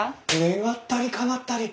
願ったりかなったり！